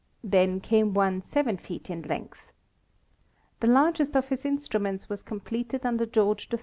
Then came one 7 feet in length. The largest of his instru ments was completed under George III.